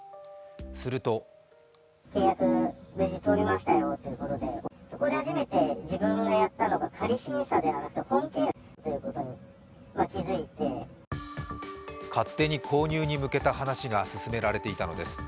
すると勝手に購入に向けた話が進められていたのです。